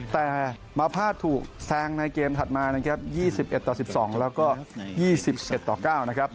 แต่มาพลาดถูกแซงในเกมถัดมานะครับ๒๑ต่อ๑๒แล้วก็๒๑ต่อ๙นะครับ